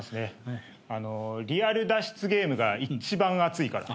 リアル脱出ゲームが一番熱いから。